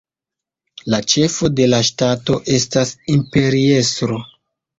La ĉefo de la ŝtato estas imperiestro.